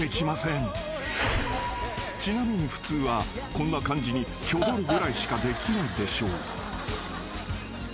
［ちなみに普通はこんな感じにきょどるぐらいしかできないでしょう］